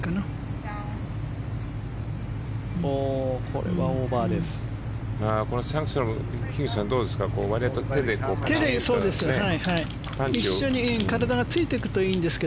これはオーバーです。